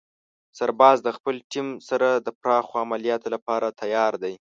سرباز د خپلې ټیم سره د پراخو عملیاتو لپاره تیار دی.